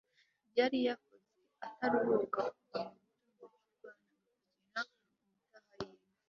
yari yakoze ataruhuka, kuva mu gitondo cy'urwanaga kugera mu mataha y'inka